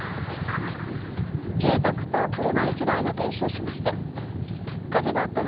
住宅と車１台が全焼しました。